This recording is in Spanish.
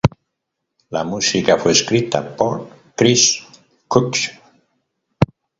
La música fue escrita por Chris Cox.